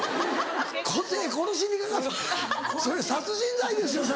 個性殺しにかかってそれ殺人罪ですよそれ。